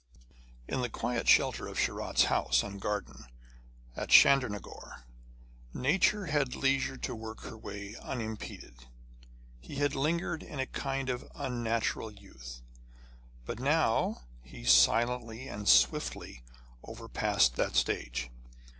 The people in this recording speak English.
In the quiet shelter of Sharat's house and garden at Chandernagore, Nature had leisure to work her way unimpeded. He had lingered in a kind of unnatural youth, but now he silently and swiftly overpassed that stage.